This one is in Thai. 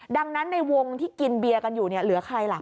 ดังนั้นในวงที่กินเบียร์กันอยู่เนี่ยเหลือใครล่ะ